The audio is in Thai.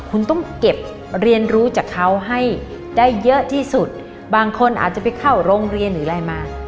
คุณต้องเก็บเรียนรู้จากเขาให้ได้เยอะที่สุดบางคนอาจจะไปเข้าโรงเรียนหรืออะไรมา